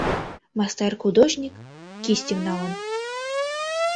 Мастар художник, кистьым налын